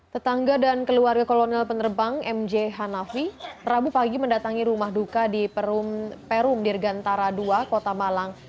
tetangga dan keluarga kolonel penerbang mj hanafi rabu pagi mendatangi rumah duka di perum dirgantara ii kota malang